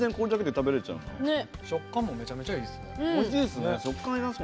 食感もめちゃめちゃいいですね。